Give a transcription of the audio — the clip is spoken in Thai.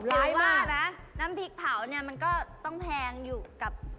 รึว่าน่ะน้ำพริกเผาต้องแพงอยู่กับ